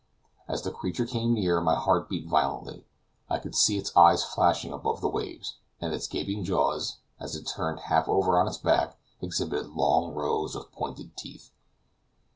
As the creature came near, my heart beat violently; I could see its eyes flashing above the waves; and its gaping jaws, as it turned half over on its back, exhibited long rows of pointed teeth.